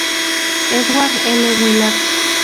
Edward L. Willard.